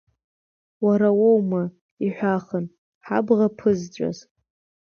Уара уоума, иҳәахын, ҳабӷа ԥызҵәаз?